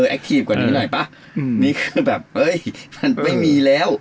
แอคทีฟกว่านี้หน่อยป่ะนี่คือแบบเอ้ยมันไม่มีแล้ว